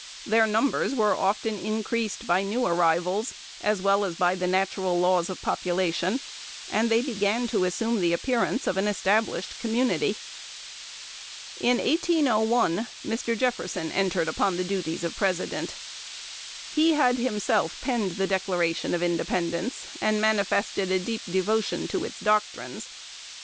Their numbers were often increased by new arrivals, as well as by the natural laws of population, and they began to assume the appearance of an established community. In 1801, Mr. Jefferson entered upon the duties of President. He had himself penned the Declaration of Independence, and manifested a deep devotion to its doctrines.